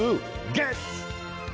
ゲッツ！